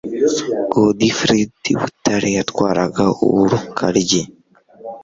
godifridi butare yatwaraga urukaryi